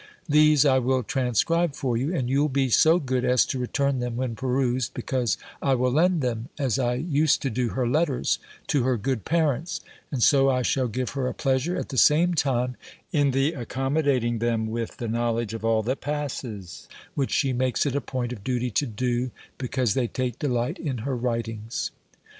These I will transcribe for you; and you'll be so good as to return them when perused, because I will lend them, as I used to do her letters, to her good parents; and so I shall give her a pleasure at the same time in the accommodating them with the knowledge of all that passes, which she makes it a point of duty to do, because they take delight in her writings.